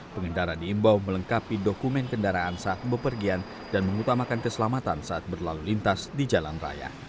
pengendara diimbau melengkapi dokumen kendaraan saat bepergian dan mengutamakan keselamatan saat berlalu lintas di jalan raya